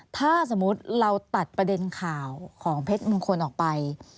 ถ้าสมมุติเราตัดประเด็นข่าวของเพชรมงคลออกไป